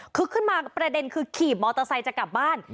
ขึ้นมาประเด็นคือขี่มอเตอร์ไซค์จะกลับบ้าน